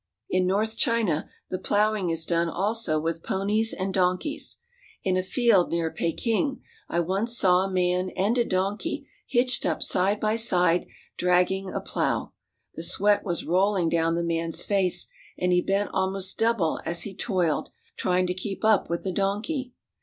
In north China the plowing is done also with ponies and donkeys. In a field near Peking I once saw a man and a donkey hitched up side by side dragging a plow. The sweat was rolling down the man's face, and he bent almost double as he toiled, try ing to keep up with the donkey.